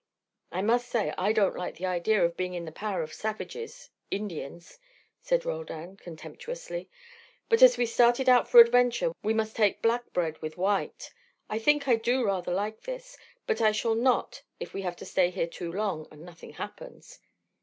"I must say I don't like the idea of being in the power of savages Indians," said Roldan, contemptuously. "But as we started out for adventure we must take black bread with white. I think I do rather like this, but I shall not if we have to stay here too long and nothing happens."